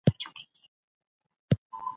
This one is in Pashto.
که موږ ستونزې وڅېړو نو د حل لارې به یې هم ومومو.